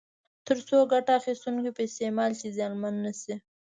تر څو ګټه اخیستونکي په استعمال کې زیانمن نه شي.